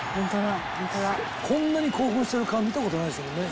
「こんなに興奮してる顔見た事ないですもんね」